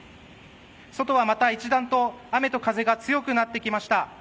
外はまた一段と雨と風が強くなってきました。